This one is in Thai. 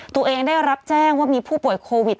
ตัวเองได้รับแจ้งว่ามีผู้ป่วยโควิด